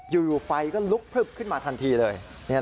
อยู่ไฟก็ลุกพลึบขึ้นมาทันทีเลย